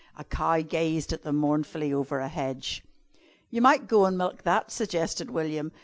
A cow gazed at them mournfully over a hedge. "You might go an' milk that," suggested William.